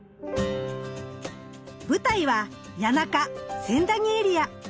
舞台は谷中・千駄木エリア。